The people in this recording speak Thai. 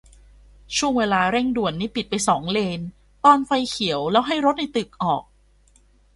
ช่วงเวลาเร่งด่วนนี่ปิดไปสองเลนตอนไฟเขียวแล้วให้รถในตึกออก